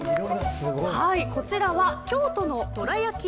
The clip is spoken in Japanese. こちらは京都のどらやき